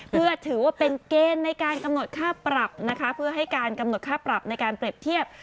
เพื่อถือว่าเป็นเกณฑ์ในการกำหนดค่าปรับนะคะเพื่อให้การกำหนดค่าปรับในการเปรียบเทียบ